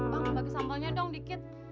bang dibagi sambalnya dong dikit